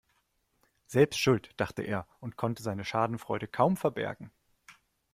Selbst schuld, dachte er und konnte seine Schadenfreude kaum verbergen.